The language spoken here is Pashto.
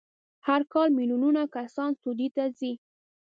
هر کال میلیونونه کسان سعودي ته ځي.